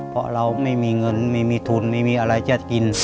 เพราะเราไม่มีเงินไม่มีทุนไม่มีอะไรจะกิน